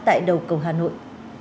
tại đầu cầu hà nội